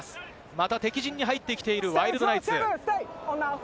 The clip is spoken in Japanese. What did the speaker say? また敵陣に入ってきている、ワイルドナイツ。